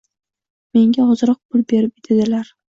Menga ozroq pul berib dedilar.